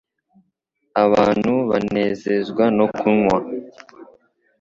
abantu banezezwa no kunywa